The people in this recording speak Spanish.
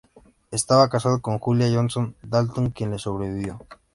Estaba casado con Julia Johnson Dalton, quien le sobrevivió.